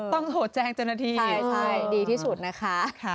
ต้องโถ่แจ้งจนนาทีใช่ดีที่สุดนะคะค่ะ